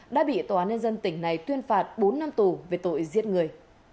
đã bị tòa án nhân dân tỉnh này tuyên phạt bốn năm tù về tội giết người